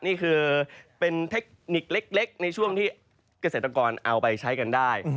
นี่คือเป็นเทคนิคเล็กในช่วงที่เกษตรกรเอาไปใช้กันได้